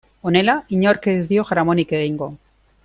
Honela, inork ez dio jaramonik egingo.